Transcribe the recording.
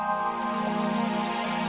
saya sudah managers